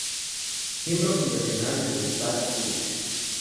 Miembro fundacional de los Bad Seeds.